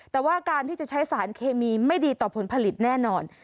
แต่ว่าการที่จะใช้สารเคมีไม่ดีต่อผลผลิตแน่นอน